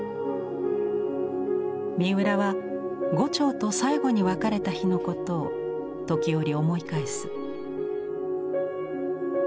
三浦は牛腸と最後に別れた日のことを時折思い返す。